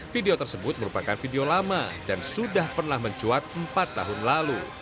video tersebut merupakan video lama dan sudah pernah mencuat empat tahun lalu